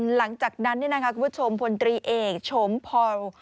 หลังจากนั้นคุณผู้ชมพลตรีเอกโฉมพร